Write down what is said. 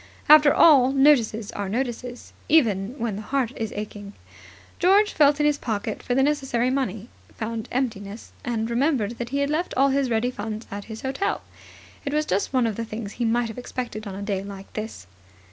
After all notices are notices, even when the heart is aching. George felt in his pocket for the necessary money, found emptiness, and remembered that he had left all his ready funds at his hotel. It was just one of the things he might have expected on a day like this.